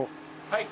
はい。